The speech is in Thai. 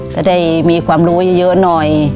จะได้มีความรู้เยอะหน่อย